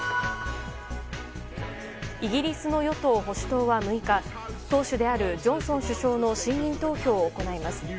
イギリスの与党・保守党は６日党首であるジョンソン首相の信任投票を行います。